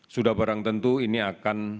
sudah barang tentu ini akan